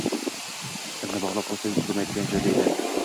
Itni bog‘lab qo‘ysang turmaydigan joyda edi.